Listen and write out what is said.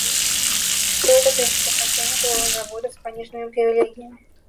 Стоит отметить, что контейнер должен работать с пониженными привилегиями